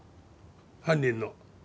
犯人の。